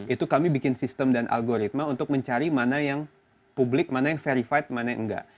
itu kami bikin sistem dan algoritma untuk mencari mana yang publik mana yang verified mana yang enggak